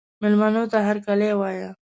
مېلمنو ته هرکلی وایه.